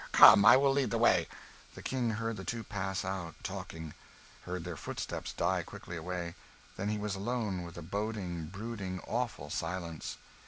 Come, I will lead the way." The King heard the two pass out, talking; heard their footsteps die quickly away then he was alone with a boding, brooding, awful silence.